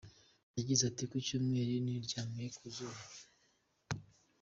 Yagize ati “ku cyumweru niryamiye ku zuba “.